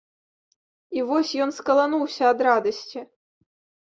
І вось ён скалануўся ад радасці.